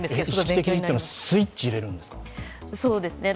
意識的にというのは、スイッチを入れるんですか？